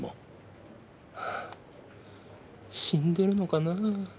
死んでるのかなぁ。